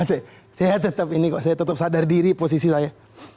saya tetap ini kok saya tetap sadar diri posisi saya